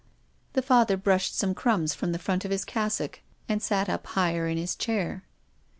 The Father brushed some crumbs from the front of his cassock and sat up higher in his chair.